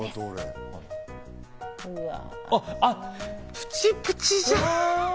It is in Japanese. プチプチじゃん。